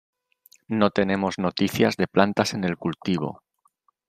No tenemos noticias de plantas en el cultivo.